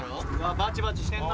バチバチしてんな。